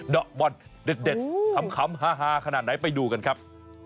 ดอกบอลเด็ดขำฮาขนาดไหนไปดูกันครับ